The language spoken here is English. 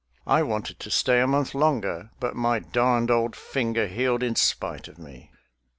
I wanted to stay a month longer, but my darned old finger healed in spite of me."